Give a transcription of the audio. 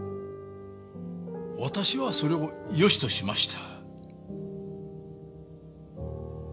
私はそれをよしとしました。